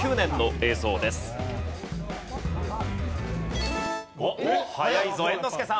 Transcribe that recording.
早いぞ猿之助さん。